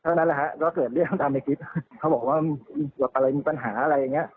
นั่นแหละฮะก็เกิดเรื่องตามในคลิปเขาบอกว่ามีรถอะไรมีปัญหาอะไรอย่างเงี้ย